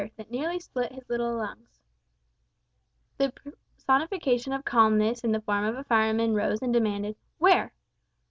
that nearly split his little lungs. The personification of calmness in the form of a fireman rose and demanded "Where?"